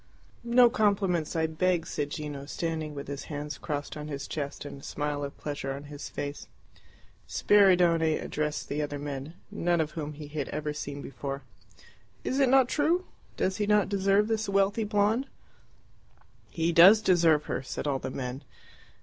"No compliments, I beg," said Gino, standing with his hands crossed on his chest and a smile of pleasure on his face. Spiridione addressed the other men, none of whom he had ever seen before. "Is it not true? Does not he deserve this wealthy blonde?" "He does deserve her," said all the men.